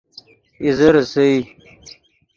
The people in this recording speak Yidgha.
اِیزے ریسئے